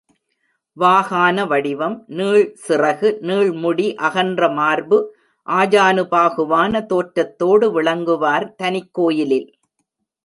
வாகான வடிவம், நீள்சிறகு, நீள்முடி, அகன்ற மார்பு, ஆஜானு பாகுவான தோற்றத்தோடு விளங்குவார் தனிக்கோயிலில்.